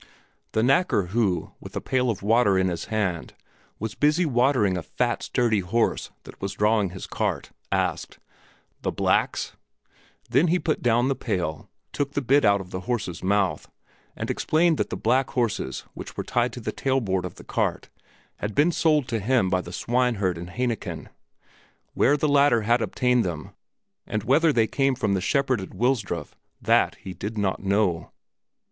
The knacker who, with a pail of water in his hand, was busy watering a fat, sturdy horse that was drawing his cart asked "The blacks?" Then he put down the pail, took the bit out of the horse's mouth, and explained that the black horses which were tied to the tailboard of the cart had been sold to him by the swineherd in Hainichen; where the latter had obtained them and whether they came from the shepherd at Wilsdruf that he did not know.